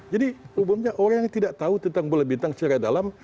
umumnya orang yang tidak tahu tentang bola bintang secara dalam